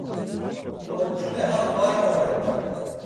Oç̌ume hak var voret.